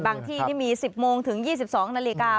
ที่นี่มี๑๐โมงถึง๒๒นาฬิกา